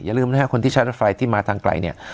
ลืมนะฮะคนที่ใช้รถไฟที่มาทางไกลเนี่ย